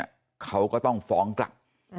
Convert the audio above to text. สินความเข้าเนี่ยเขาก็ต้องฟองกลั๊ก